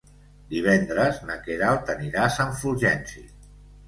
Divendres na Queralt anirà a Sant Fulgenci.